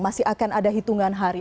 masih akan ada hitungan hari